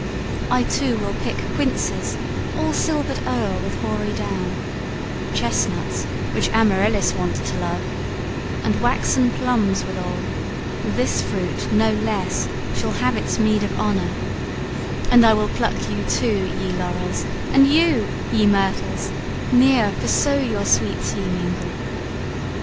I too will pick Quinces all silvered o'er with hoary down, Chestnuts, which Amaryllis wont to love, And waxen plums withal: this fruit no less Shall have its meed of honour; and I will pluck You too, ye laurels, and you, ye myrtles, near, For so your sweets ye mingle.